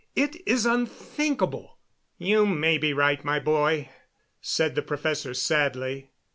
It is unthinkable." "You may be right, my boy," said the professor sadly.